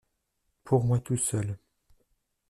Pour moi tout seul.